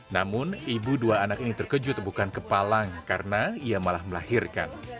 namun ibu dua anak ini terkejut bukan kepalang karena ia malah melahirkan